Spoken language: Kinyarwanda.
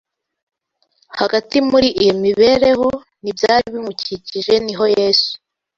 Hagati muri iyo mibereho n’ibyari bimukikije ni ho Yesu